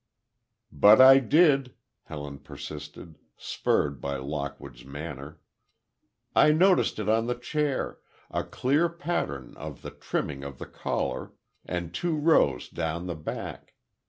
"But I did," Helen persisted, spurred by Lockwood's manner. "I noticed it on the chair, a clear pattern of the trimming of the collar, and two rows down the back.